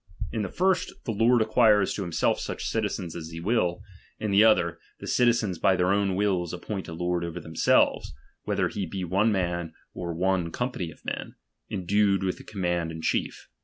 In the first, the lord ■ acquires to himself such citizens as he will ; in the c"" . n«ii.™i otlier, the citizens by their own wills appoint a lord Son. '" 0"ver themselves, whether he be one man or one company of men, endued with the command in etiief.